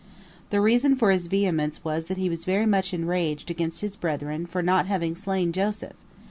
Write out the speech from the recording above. The reason for his vehemence was that he was very much enraged against his brethren for not having slain Joseph.